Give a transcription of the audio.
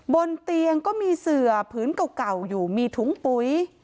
บนเตียงก็มีเสือผืนเก่าอยู่มีถุงปุ๋ย